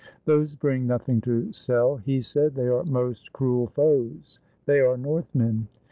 "Those bring nothing to sell," he said. "They are most cruel foes, they are Northmen."